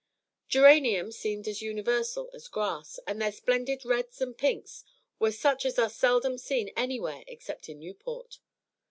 Geraniums seemed as universal as grass, and their splendid reds and pinks were such as are seldom seen anywhere except in Newport.